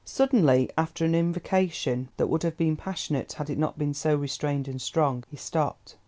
Suddenly, after an invocation that would have been passionate had it not been so restrained and strong, he stopped.